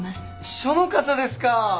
秘書の方ですか！